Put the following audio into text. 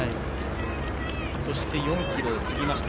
そして４ｋｍを過ぎました。